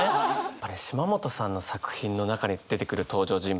やっぱり島本さんの作品の中に出てくる登場人物たち